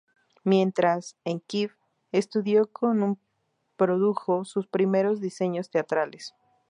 Mientras, en Kiev estudió con y produjo sus primeros diseños teatrales.